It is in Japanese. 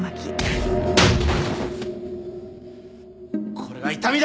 これが痛みだ。